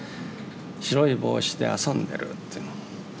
白い帽子であそんでる。」っていう。